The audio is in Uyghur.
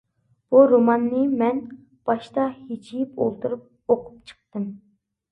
بۇ روماننى مەن باشتا ھىجىيىپ ئولتۇرۇپ ئوقۇپ چىقتىم.